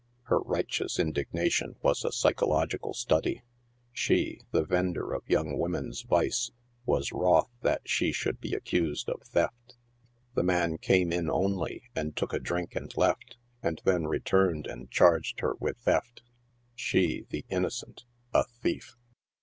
Her righteous indignation was a psychological study. She, fee vender of young womens' vice, was wroth that she should be accused of theft. The man came in only, and took a drink and left, and then returned and charged her with theft. She, the innocent, a thief